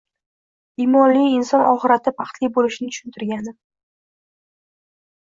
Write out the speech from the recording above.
imonli inson oxiratda baxtli bo‘lishini tushuntirgandim.